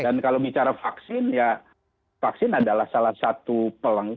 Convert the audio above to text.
dan kalau bicara vaksin ya vaksin adalah salah satu pelengkapan